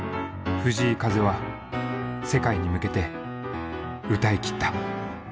藤井風は世界に向けて歌い切った。